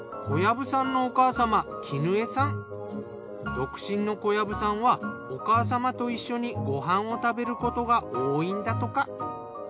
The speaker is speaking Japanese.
小藪さんの独身の小藪さんはお母様と一緒にご飯を食べることが多いんだとか。